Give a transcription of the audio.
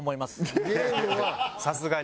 さすがに。